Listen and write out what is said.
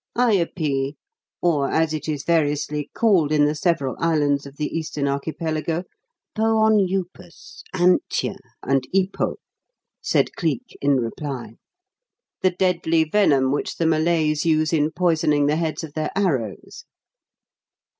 "Ayupee, or, as it is variously called in the several islands of the Eastern Archipelago, Pohon Upas, Antjar, and Ipo," said Cleek, in reply. "The deadly venom which the Malays use in poisoning the heads of their arrows."